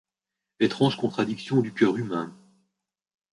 Étrange contradiction du cœur humain !